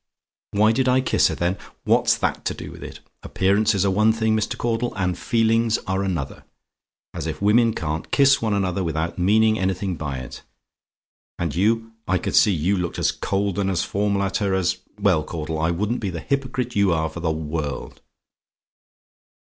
"WHY DID I KISS HER, THEN? "What's that to do with it? Appearances are one thing, Mr. Caudle; and feelings are another. As if women can't kiss one another without meaning anything by it! And you I could see you looked as cold and as formal at her as well, Caudle! I wouldn't be the hypocrite you are for the world!